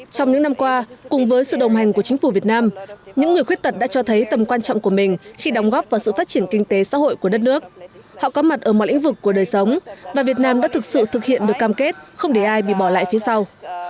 trong những năm qua cùng với sự đồng hành của chính phủ việt nam những người khuyết tật đã cho thấy tầm quan trọng của mình khi đóng góp vào sự phát triển kinh tế xã hội của đất nước họ có mặt ở mọi lĩnh vực của đời sống và việt nam đã thực sự thực hiện được cam kết không để ai bị bỏ lại phía sau